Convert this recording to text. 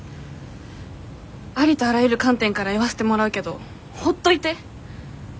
ありとあらゆる観点から言わせてもらうけどほっといて！